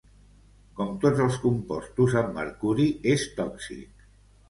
Com tots els compostos amb mercuri, és tòxic.